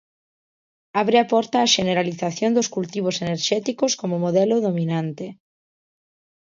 Abre a porta á xeneralización dos cultivos enerxéticos como modelo dominante.